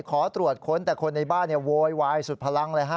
ขอตรวจค้นแต่คนในบ้านโวยวายสุดพลังเลยฮะ